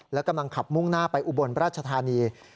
และกำลังขับมุ่งหน้าไปอุบลราชธานี